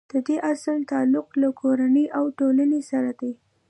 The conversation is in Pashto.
د دې اصل تعلق له کورنۍ او ټولنې سره دی.